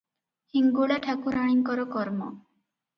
ହିଙ୍ଗୁଳା ଠାକୁରାଣୀଙ୍କର କର୍ମ ।"